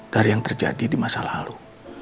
dari yang terjadi di masa lalu